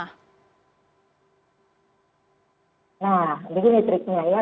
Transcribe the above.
nah begini triknya ya